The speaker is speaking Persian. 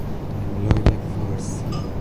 املای فارسی